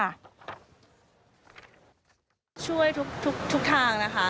ช่วยทุกทางนะคะ